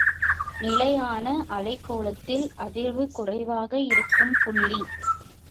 நிலையான அலைக்கோலத்தில் அதிர்வு குறைவாக இருக்கும் புள்ளி.